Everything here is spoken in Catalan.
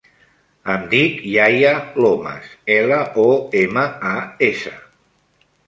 Em dic Yahya Lomas: ela, o, ema, a, essa.